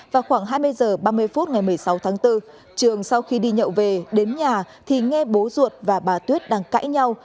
vào khoảng hai mươi h ba mươi phút ngày một mươi sáu tháng bốn trường sau khi đi nhậu về đến nhà thì nghe bố ruột và bà tuyết đang cãi nhau